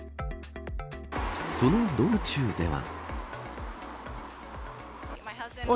その道中では。